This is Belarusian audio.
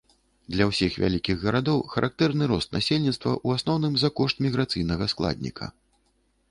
Для ўсіх вялікіх гарадоў характэрны рост насельніцтва ў асноўным за кошт міграцыйнага складніка.